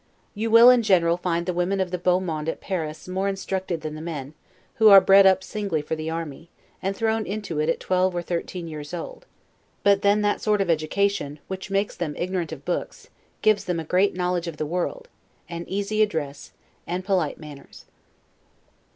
You will in general find the women of the beau monde at Paris more instructed than the men, who are bred up singly for the army, and thrown into it at twelve or thirteen years old; but then that sort of education, which makes them ignorant of books, gives them a great knowledge of the world, an easy address, and polite manners.